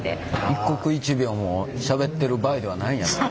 一刻一秒もしゃべってる場合ではないんやろうね。